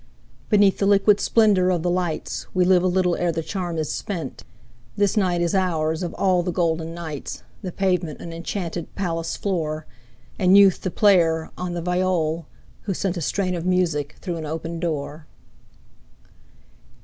Beneath the liquid splendor of the lights We live a little ere the charm is spent; This night is ours, of all the golden nights, The pavement an enchanted palace floor, And Youth the player on the viol, who sent A strain of music through an open door.